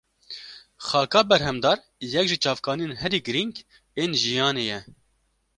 Xaka berhemdar yek ji çavkaniyên herî girîng ên jiyanê ye.